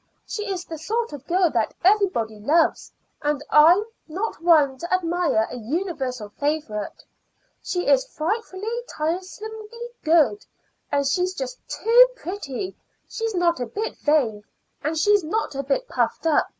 She is the sort of girl that everybody loves, and I am not one to admire a universal favorite. She is frightfully, tiresomely good, and she's just too pretty; and she's not a bit vain, and she's not a bit puffed up.